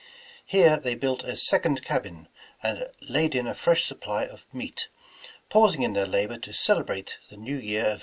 Here they built a second cabin, and laid in a fresh supply of meat, pausing in their labor to celebrate the New Year of 1813.